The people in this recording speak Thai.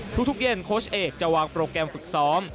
ทุกเย็นโค้ชเอกจะวางโปรแกรมฝึกซ้อม